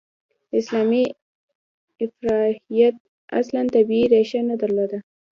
اسلامي افراطیت اصلاً طبیعي ریښه نه درلوده.